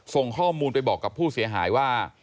ส่งข้อมูลไปบอกกับผู้เสียหายว่า